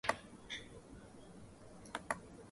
Young later declared it his favourite of his own novels.